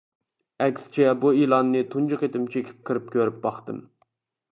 ئەكسىچە بۇ ئېلاننى تۇنجى قېتىم چېكىپ كىرىپ كۆرۈپ باقتىم.